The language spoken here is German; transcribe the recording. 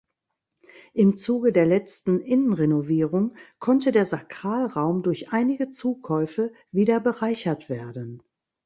Im Zuge der letzten Innenrenovierung konnte der Sakralraum durch einige Zukäufe wieder bereichert werden.